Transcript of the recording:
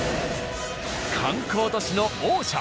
観光都市の王者。